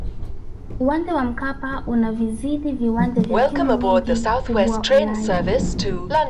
uwanja wa mkapa unavizidi viwanja vya timu nyingi kubwa ulaya